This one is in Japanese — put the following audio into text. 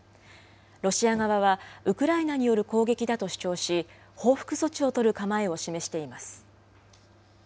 ロシア側は、ウクライナによる攻撃だと主張し、報復措置を取る構えを示しています。